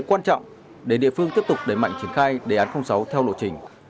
quan trọng để địa phương tiếp tục đẩy mạnh triển khai đề án sáu theo lộ trình